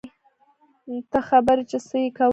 ته خبر يې چې څه يې کول.